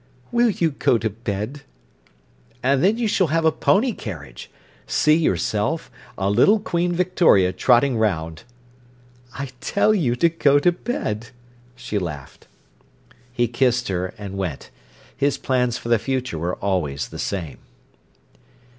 "Will you go to bed!" "And then you s'll have a pony carriage. See yourself—a little Queen Victoria trotting round." "I tell you to go to bed," she laughed. He kissed her and went. His plans for the future were always the same.